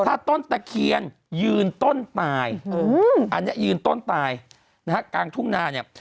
ถ้าต้นตะเคียนยืนต้นตายอันนี้ยืนต้นตายนะฮะกลางทุ่งนาเนี่ย